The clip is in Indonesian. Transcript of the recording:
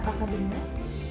kasir pintar apakah bingung